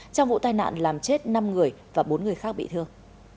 trong vụ tai nạn làm chết năm người và bốn người khác bị thương